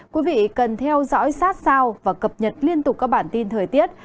quý vị cần theo dõi sát sao và cập nhật liên tục các bản tin thời tiết